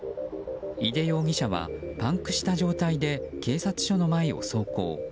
井手容疑者はパンクした状態で警察署の前を走行。